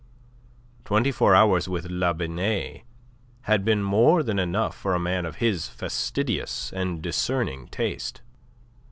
Twenty four hours with La Binet had been more than enough for a man of his fastidious and discerning taste.